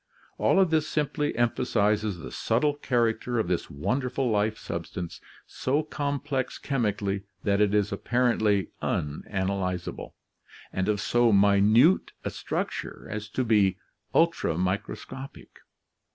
All of this simply empha sizes the subtle character of this wonderful life substance, so com plex chemically that it is apparently unanalyzable, and of so minute a structure as to be ultramicroscopic.